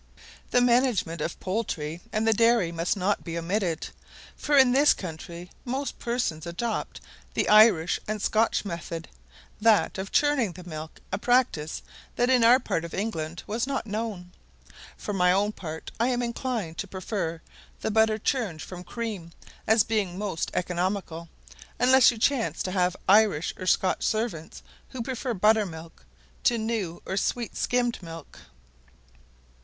The management of poultry and the dairy must not be omitted; for in this country most persons adopt the Irish and Scotch method, that of churning the milk, a practice that in our part of England was not known. For my own part I am inclined to prefer the butter churned from cream, as being most economical, unless you chance to have Irish or Scotch servants who prefer buttermilk to new or sweet skimmed milk.